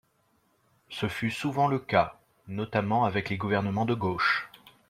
Ce fut souvent le cas, notamment avec les gouvernements de gauche.